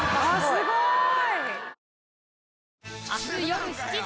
すごい。